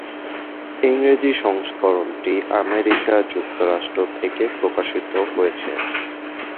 ইংরেজি সংস্করণটি আমেরিকা যুক্তরাষ্ট্র থেকে প্রকাশিত হয়েছে।